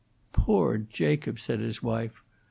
"Pore Jacob!" said his wife.